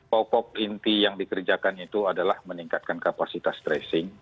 pokok inti yang dikerjakan itu adalah meningkatkan kapasitas tracing